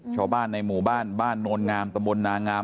ชาวบ้านในหมู่บ้านบ้านโนนงามตะบนนางาม